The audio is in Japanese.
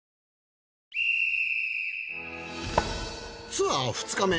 ツアー２日目